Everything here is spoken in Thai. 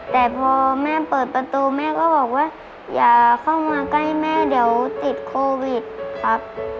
แต่พอแม่เปิดประตูแม่ก็บอกว่าอย่าเข้ามาใกล้แม่เดี๋ยวติดโควิดครับ